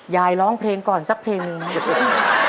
ร้องเพลงก่อนสักเพลงหนึ่ง